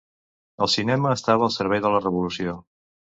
El cinema estava al servei de la revolució.